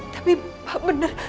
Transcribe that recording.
tapi pak bener